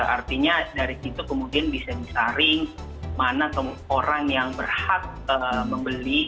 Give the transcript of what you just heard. artinya dari situ kemudian bisa disaring mana orang yang berhak membeli